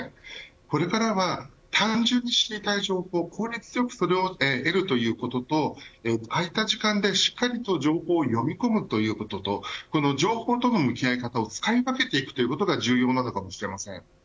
これからは単純に知りたい情報を効率よく、それを得ることと空いた時間でしっかりと情報を読み込むということと情報との向き合い方を使い分けていくことが重要なのかもしれません。